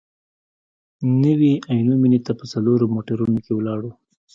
نوي عینو مېنې ته په څلورو موټرونو کې ولاړو.